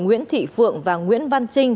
nguyễn thị phượng và nguyễn văn trinh